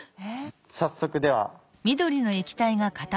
早速では。